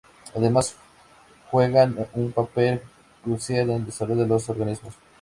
Además, juegan un papel crucial en el desarrollo de los organismos.